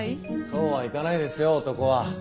そうはいかないですよ男は。